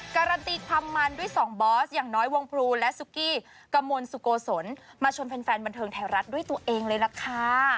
การันตีความมันด้วยสองบอสอย่างน้อยวงพลูและซุกี้กระมวลสุโกศลมาชวนแฟนบันเทิงไทยรัฐด้วยตัวเองเลยล่ะค่ะ